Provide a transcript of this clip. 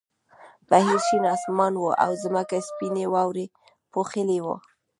بهر شین آسمان و او ځمکه سپینې واورې پوښلې وه